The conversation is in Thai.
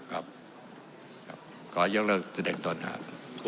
ขอยกเลิกแสดงตนนะครับ